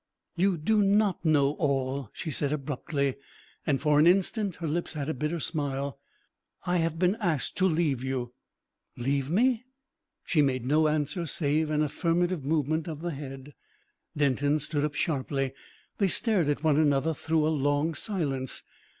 "You do not know all," she said abruptly, and for an instant her lips had a bitter smile. "I have been asked to leave you." "Leave me!" She made no answer save an affirmative movement of the head. Denton stood up sharply. They stared at one another through a long silence.